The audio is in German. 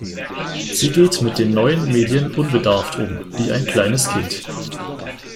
Sie geht mit den neuen Medien unbedarft um, wie ein kleines Kind.